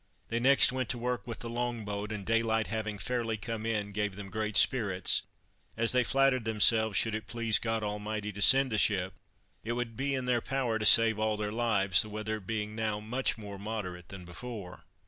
They next went to work with the long boat, and day light having fairly come in, gave them great spirits, as they flattered themselves, should it please God Almighty to send a ship, it would be in their power to save all their lives, the weather being now much more moderate than before.